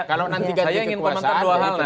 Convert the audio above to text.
kalau nanti ganti kekuasaan jadi terbuka